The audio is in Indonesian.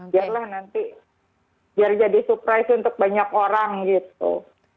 biarlah nanti biar jadi surprise untuk banyak orang gitu